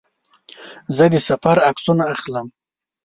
زه د سفر عکسونه اخلم.